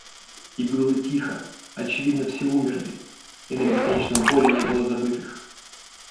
И было тихо, — очевидно, все умерли, и на бесконечном поле не было забытых.